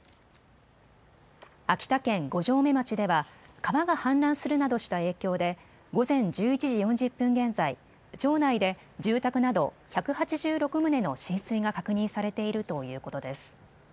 秋田県五城目町では川が氾濫するなどした影響で午前１１時４０分現在、町内で住宅など１８６棟の浸水が確認されているということです。